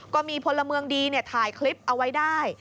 ก็มีพลเมืองดีถ่ายคลิปเอาไว้ได้